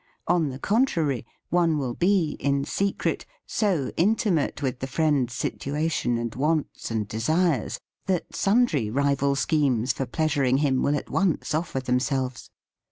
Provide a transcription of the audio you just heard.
On the contrary, one will be, in secret, so intimate with the friend's situation and wants and de sires, that sundry rival schemes for pleasuring him will at once offer them selves.